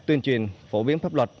tuyên truyền phổ biến pháp luật